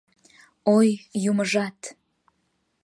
— Ой, юмыжат!